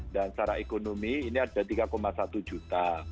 dan secara ekonomi ini ada rp tiga satu juta